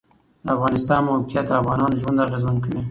د افغانستان د موقعیت د افغانانو ژوند اغېزمن کوي.